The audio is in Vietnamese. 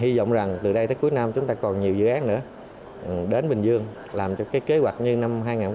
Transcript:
hy vọng rằng từ đây tới cuối năm chúng ta còn nhiều dự án nữa đến bình dương làm cho cái kế hoạch như năm hai nghìn hai mươi